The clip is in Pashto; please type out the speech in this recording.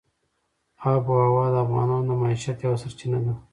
آب وهوا د افغانانو د معیشت یوه سرچینه ده.